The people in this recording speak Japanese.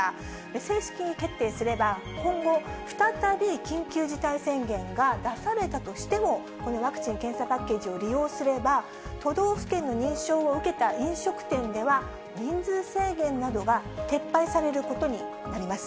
正式決定すれば、今後、再び緊急事態宣言が出されたとしても、このワクチン・検査パッケージを利用すれば、都道府県の認証を受けた飲食店では、人数制限などが撤廃されることになります。